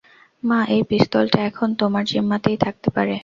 মা, এই পিস্তলটা এখন তোমার জিম্মাতেই থাকতে পারে।